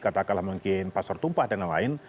katakanlah mungkin pasar tumpah dan lain lain